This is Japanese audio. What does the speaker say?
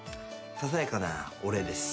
ささやかなお礼です。